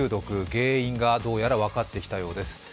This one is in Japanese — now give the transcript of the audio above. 原因がどうやら分かってきたようです。